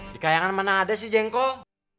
di kayangan mana ada sih jengkol